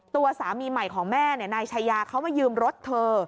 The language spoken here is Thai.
ตัวสามีใหม่ของแม่นายชายาเขามายืมรถเธอ